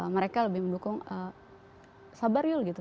mereka lebih mendukung sabar yul gitu